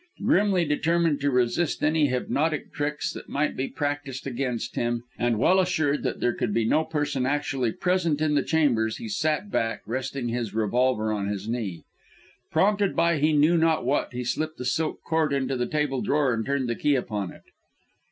Grimly determined to resist any hypnotic tricks that might be practised against him, and well assured that there could be no person actually present in the chambers, he sat back, resting his revolver on his knee. Prompted by he knew not what, he slipped the silk cord into the table drawer and turned the key upon it.